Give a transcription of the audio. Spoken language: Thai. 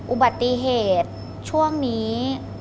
อุบัติเหตุช่วงนี้